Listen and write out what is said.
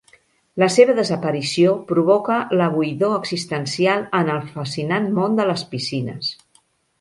La seva desaparició provoca la buidor existencial en el fascinant món de les piscines.